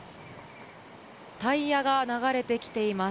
タイヤが流れてきています。